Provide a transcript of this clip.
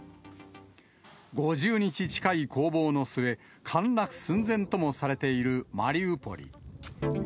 ５０日近い攻防の末、陥落寸前ともされているマリウポリ。